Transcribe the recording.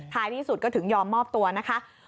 ที่สุดก็ถึงยอมมอบตัวนะคะ